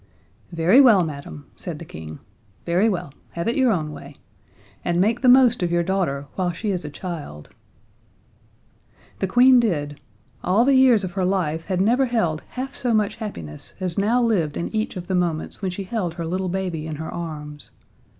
"Very well, madam," said the King, "very well have your own way. And make the most of your daughter, while she is a child." The Queen did. All the years of her life had never held half so much happiness as now lived in each of the moments when she held her little baby in her arms.